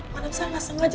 mana bisa gak sengaja